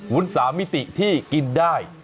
วุ้น๓มิติที่กินได้